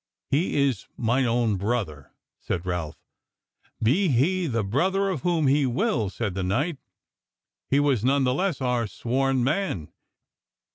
"He is mine own brother," said Ralph. "Be he the brother of whom he will," said the knight, "he was none the less our sworn man.